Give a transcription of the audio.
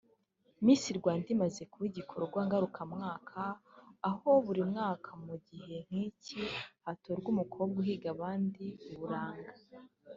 Miss Rwanda imaze kuba igikorwa ngarukamwaka aho buri mwaka mu gihe nk'iki hatorwa umukobwa uhiga abandi Uburanga